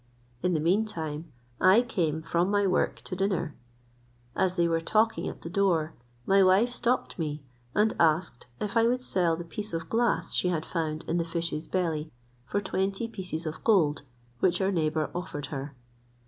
In the mean time I came from my work to dinner. As they were talking at the door, my wife stopped me, and asked if I would sell the piece of glass she had found in the fish's belly for twenty pieces of gold, which our neighbour offered her.